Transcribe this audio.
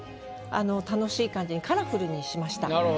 楽しい感じにカラフルにしました。